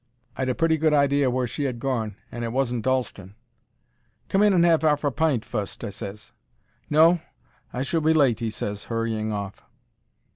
I'd a pretty good idea where she 'ad gorn; and it wasn't Dalston. "Come in and 'ave 'arf a pint fust," I ses. "No; I shall be late," he ses, hurrying off.